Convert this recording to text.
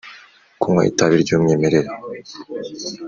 kunywa itabi ry'umwimerere